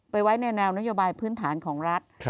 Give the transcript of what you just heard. ไว้ในแนวนโยบายพื้นฐานของรัฐ